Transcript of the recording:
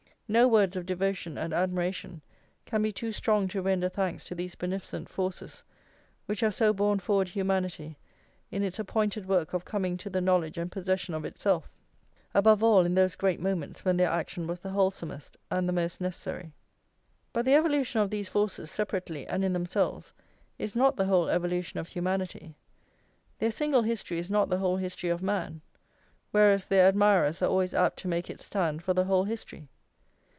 No words of devotion and admiration can be too strong to render thanks to these beneficent forces which have so borne forward humanity in its appointed work of coming to the knowledge and possession of itself; above all, in those great moments when their action was the wholesomest and the most necessary. But the evolution of these forces, separately and in themselves, is not the whole evolution of humanity, their single history is not the whole history of man; whereas their admirers are always apt to make it stand for the whole history.